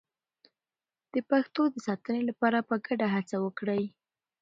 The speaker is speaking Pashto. د پښتو د ساتنې لپاره په ګډه هڅه وکړئ.